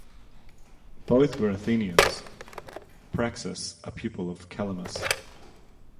Both were Athenians, Praxias a pupil of Calamis.